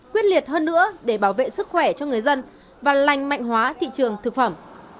quyết liệt hơn nữa để bảo vệ sức khỏe cho người dân và lành mạnh hóa thị trường thực phẩm